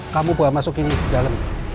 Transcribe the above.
kamu bawa masuk ini ke dalam